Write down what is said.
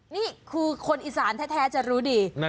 นี่คือคนอีสานแท้จะรู้ดี